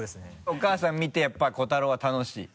お母さん見てやっぱ瑚太郎は楽しい？